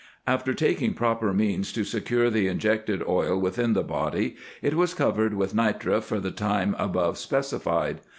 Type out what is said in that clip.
After taking proper means to secure the injected oil within the body, it was covered with nitre for the time above specified.